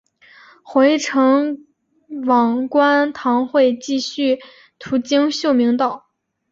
回程往观塘会继续途经秀明道。